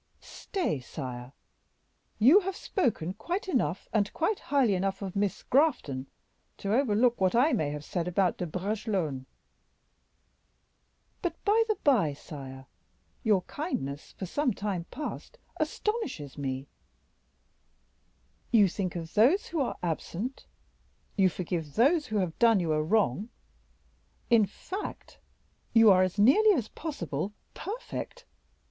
"Stay, sire; you have spoken quite enough, and quite highly enough, of Miss Grafton, to overlook what I may have said about De Bragelonne. But, by the by, sire, your kindness for some time past astonishes me: you think of those who are absent, you forgive those who have done you a wrong, in fact, you are as nearly as possible, perfect.